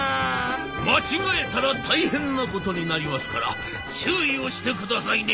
「間違えたら大変なことになりますから注意をしてくださいね」。